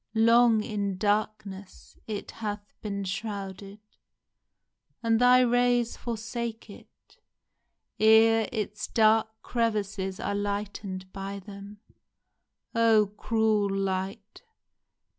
Long in darkness It hath been shrouded, and thy rays forsake it *Ere its dark crevices are lighten'd by them. Oh, cruel Light